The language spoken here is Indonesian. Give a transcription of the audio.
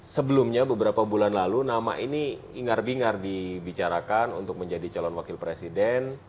sebelumnya beberapa bulan lalu nama ini ingar bingar dibicarakan untuk menjadi calon wakil presiden